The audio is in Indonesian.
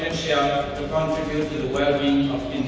untuk memberikan keamanan kepada orang orang